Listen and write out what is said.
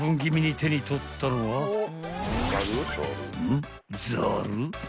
［ん？］